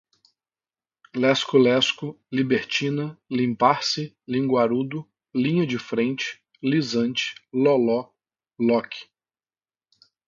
lesco lesco, libertina, limpar-se, linguarudo, linha de frente, lisante, loló, loque